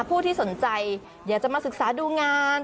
ผู้ที่สนใจอยากจะมาศึกษาดูงาน